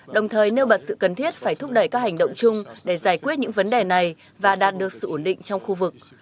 đồng thời nêu bật sự cần thiết phải thúc đẩy các hành động chung để giải quyết những vấn đề này và đạt được sự ổn định trong khu vực